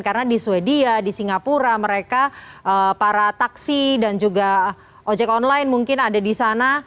karena di sweden di singapura mereka para taksi dan juga ojek online mungkin ada di sana